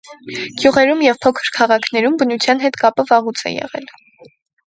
Գյուղերում և փոքր քաղաքներում բնության հետ կապը վաղուց է եղել։